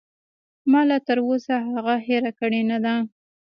ما لاتر اوسه هغه هېره کړې نه ده.